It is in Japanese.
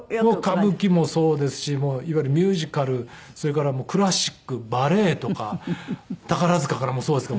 歌舞伎もそうですしいわゆるミュージカルそれからクラシックバレエとか宝塚からもうそうですけど。